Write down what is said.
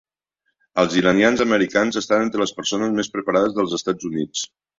Els iranians americans estan entre les persones més preparades dels Estats Units.